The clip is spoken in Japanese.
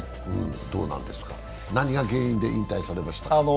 どうなんですか、何が原因で引退されました？